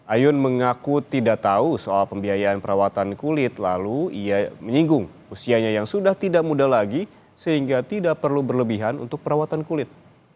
ayun mengaku tidak tahu soal pembiayaan perawatan kulit lalu ia menyinggung usianya yang sudah tidak muda lagi sehingga tidak perlu berlebihan untuk perawatan kulit